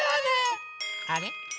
あれ？